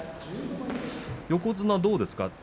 横綱はどうですか？